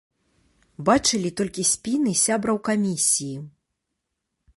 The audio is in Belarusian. Бачылі толькі спіны сябраў камісіі.